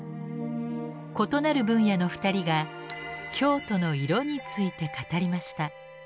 異なる分野の２人が「京都の色」について語りました。